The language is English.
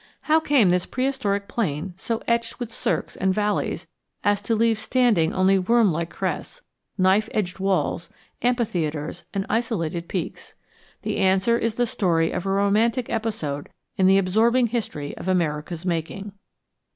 How came this prehistoric plain so etched with cirques and valleys as to leave standing only worm like crests, knife edged walls, amphitheatres, and isolated peaks? The answer is the story of a romantic episode in the absorbing history of America's making.